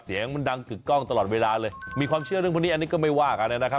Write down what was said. เสียงมันดังกึกกล้องตลอดเวลาเลยมีความเชื่อเรื่องพวกนี้อันนี้ก็ไม่ว่ากันนะครับ